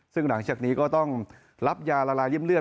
ซึ่งหลังจากนี้ก็ต้องรับยาละลายริ่มเลือ